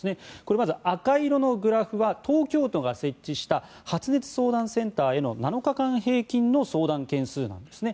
まず、赤い色のグラフは東京都が設置した発熱相談センターへの７日間平均の相談件数なんですね。